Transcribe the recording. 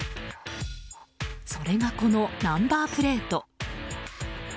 それが、このナンバープレート。